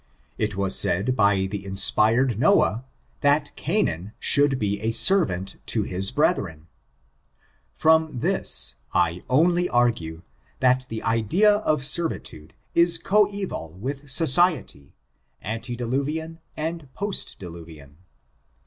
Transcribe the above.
It was said by the inspired Noah, that Canaan should be a servant to his brethren. From this, I only argue, that the idea of servitude is coeval with society, antediluvian and postdiluvian.